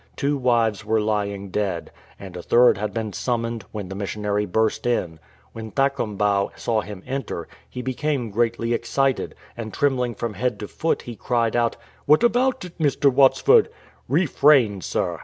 Two wives were lying dead, and a third had been sum moned, when the missionary burst in. When Thakombau saw him enter he became greatly excited, and trembling from head to foot he cried out, "What about it, Mr. Watsford?" "Refrain, sir!"